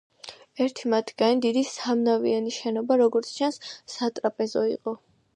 ერთი მათგანი, დიდი სამნავიანი შენობა, როგორც ჩანს, სატრაპეზო იყო.